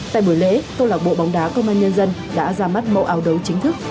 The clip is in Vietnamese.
tại buổi lễ công lạc bộ bóng đá công an nhân dân đã ra mắt màu áo đấu chính thức